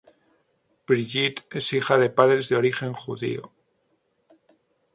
Brigitte es hija de padres de origen judío.